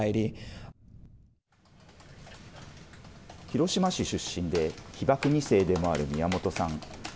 広島市出身で被爆２世でもある宮本さん。